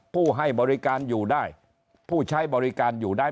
ผู้ให้บริการอยู่ได้ผู้ใช้บริการอยู่ได้